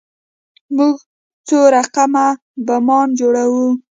موږ څو رقم بمان جوړوو.